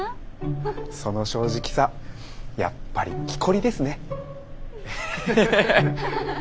その正直さやっぱりきこりですね。